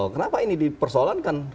kenapa ini dipersoalkan